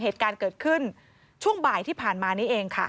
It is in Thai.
เหตุการณ์เกิดขึ้นช่วงบ่ายที่ผ่านมานี้เองค่ะ